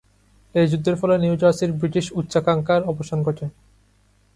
এই যুদ্ধের ফলে নিউ জার্সির ব্রিটিশ উচ্চাকাঙ্ক্ষার অবসান ঘটে।